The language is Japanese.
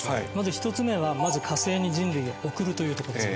１つ目はまず火星に人類を送るというところですね。